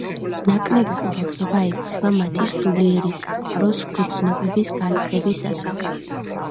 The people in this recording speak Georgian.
ნაკლები ყურადღება ექცევა მათი სულიერი სამყაროს, გრძნობების, განცდების ასახვას.